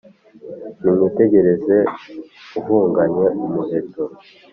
Nimwitegereze ahunganye umuheto